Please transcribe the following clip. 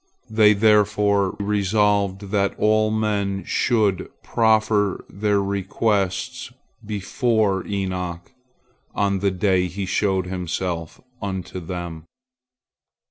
They therefore resolved that all men should prefer their requests before Enoch on the day he showed himself unto them.